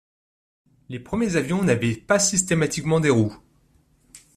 Les premiers avions n'avaient pas systématiquement des roues.